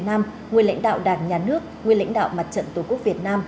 nguyên lãnh đạo đảng nhà nước nguyên lãnh đạo mặt trận tqvn